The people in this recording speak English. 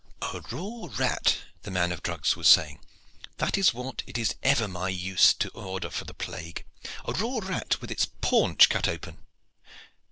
"A raw rat," the man of drugs was saying, "that is what it is ever my use to order for the plague a raw rat with its paunch cut open."